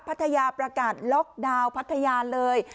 พัทยาประกาศล็อกดาวน์พัทยาเลย